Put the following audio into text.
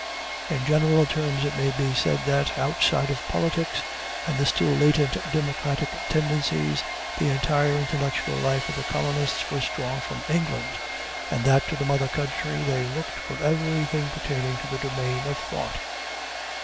In general terms it may be said that, outside of politics and the still latent democratic tendencies, the entire intellectual life of the colonists was drawn from England, and that to the mother country they looked for everything pertaining to the domain of thought.